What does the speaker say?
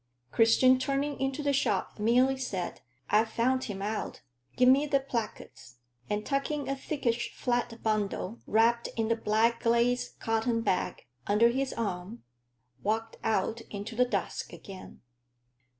Christian, turning into the shop, merely said, "I've found him out give me the placards"; and, tucking a thickish flat bundle, wrapped in a black glazed cotton bag, under his arm, walked out into the dusk again.